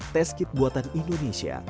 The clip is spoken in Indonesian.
tes kit buatan indonesia